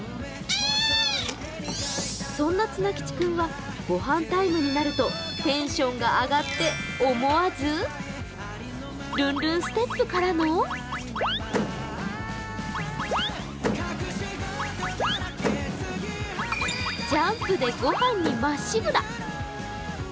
そんなツナ吉君はごはんタイムになるとテンションが上がって思わずルンルンステップからのジャンプでご飯にまっしぐら。